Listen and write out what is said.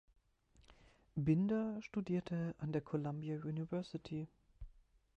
Binder studierte an der Columbia University.